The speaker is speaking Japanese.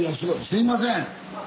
すいません！